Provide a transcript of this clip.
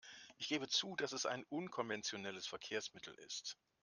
Ich gebe zu, dass es ein unkonventionelles Verkehrsmittel ist.